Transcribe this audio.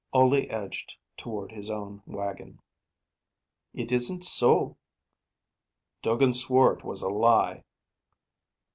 Ole edged toward his own wagon. "It wasn't so?" "Duggin swore it was a lie."